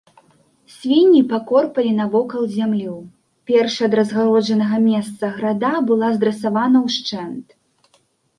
Свінні пакорпалі навокал зямлю, першая ад разгароджанага месца града была здрасавана ўшчэнт.